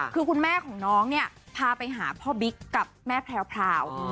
คือคุณแม่ของน้องเนี่ยพาไปหาพ่อบิ๊กกับแม่แพรว